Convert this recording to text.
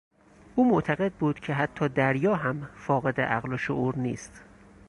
او معتقد بود که حتی دریا هم فاقد عقل و شعور نیست.